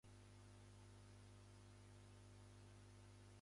明日は雨